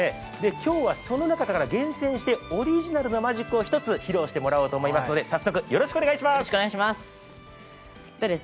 今日はその中から厳選してオリジナルなマジックを披露してもらいますので早速よろしくお願いします。